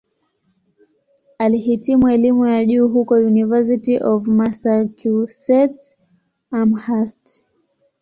Alihitimu elimu ya juu huko "University of Massachusetts-Amherst".